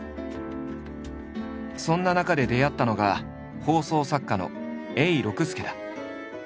そんな中で出会ったのが放送作家の永六輔だ。